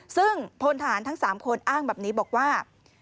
ซึ่งโพนธาตุทั้งสามคนอ้างแบบนี้บอกว่า